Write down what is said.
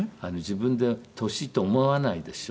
自分で年と思わないでしょ？